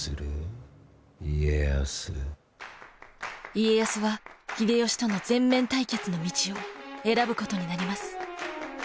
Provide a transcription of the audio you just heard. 家康は秀吉との全面対決の道を選ぶことになります。